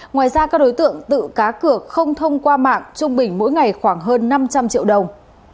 ngoài ra các đối tượng tự cá cược không thông qua mạng trung bình mỗi ngày khoảng hơn năm trăm linh triệu đồng